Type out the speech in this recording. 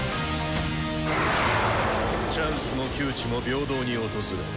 チャンスも窮地も平等に訪れ